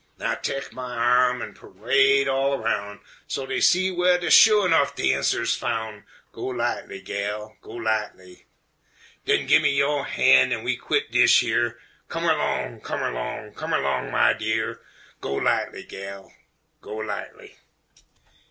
Now teck my arm an' perawd all roun', So dey see whar de sho' nuff darnsers foun', Go lightly, gal, go lightly! Den gimme yo' han' an' we quit dish yer, Come erlong, come erlong, come erlong, my dear, Go lightly, gal, go lightly!